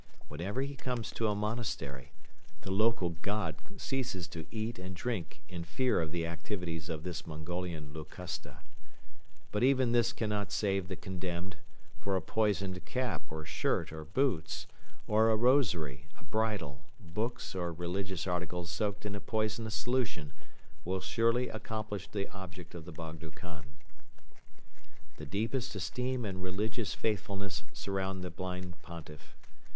Whenever he comes to a monastery, the local "god" ceases to eat and drink in fear of the activities of this Mongolian Locusta. But even this cannot save the condemned, for a poisoned cap or shirt or boots, or a rosary, a bridle, books or religious articles soaked in a poisonous solution will surely accomplish the object of the Bogdo Khan. The deepest esteem and religious faithfulness surround the blind Pontiff.